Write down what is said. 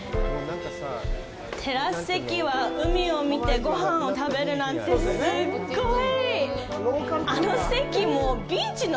テラス席は海を見てごはんを食べるなんてすっごい！